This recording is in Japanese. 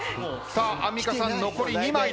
アンミカさん残り２枚です。